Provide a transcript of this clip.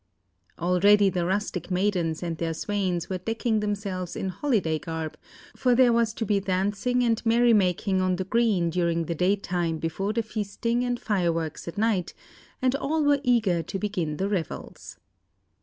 Already the rustic maidens and their swains were decking themselves in holiday garb, for there was to be dancing and merry making on the green during the day time before the feasting and fireworks at night, and all were eager to begin the revels.